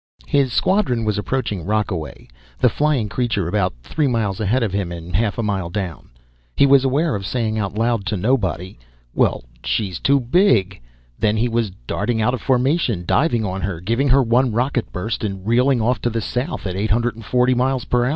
His squadron was approaching Rockaway, the flying creature about three miles ahead of him and half a mile down. He was aware of saying out loud to nobody: "Well, she's too big." Then he was darting out of formation, diving on her, giving her one rocket burst and reeling off to the south at 840 MPH.